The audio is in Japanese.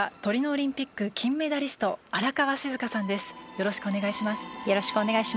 よろしくお願いします。